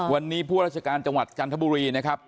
วันนี้ผู้ราชการจังหวัดจันทบุรีนะครับ